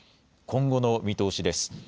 今後の見通しです。